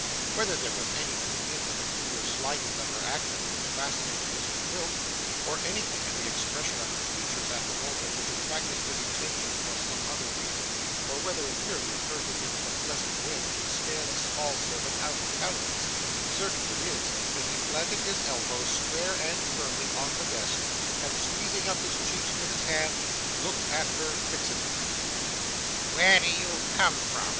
Whether there was anything in the peculiar slyness of her action which fascinated Mr Quilp, or anything in the expression of her features at the moment which attracted his attention for some other reason; or whether it merely occurred to him as a pleasant whim to stare the small servant out of countenance; certain it is, that he planted his elbows square and firmly on the desk, and squeezing up his cheeks with his hands, looked at her fixedly. 'Where do you come from?